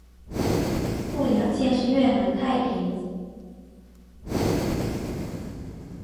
富良县是越南太原省下辖的一个县。